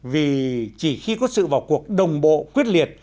vì chỉ khi có sự vào cuộc đồng bộ quyết liệt